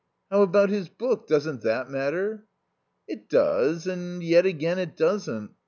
"How about his book? Doesn't that matter?" "It does and yet again it doesn't.